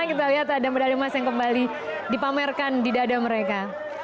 kita lihat ada medali emas yang kembali dipamerkan di dada mereka